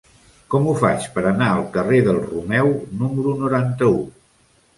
Com ho faig per anar al carrer del Romeu número noranta-u?